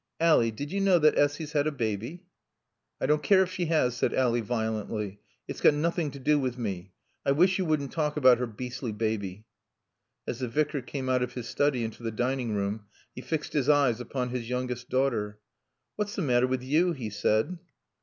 Ally did you know that Essy's had a baby?" "I don't care if she has," said Ally violently. "It's got nothing to do with me. I wish you wouldn't talk about her beastly baby." As the Vicar came out of his study into the dining room, he fixed his eyes upon his youngest daughter. "What's the matter with you?" he said.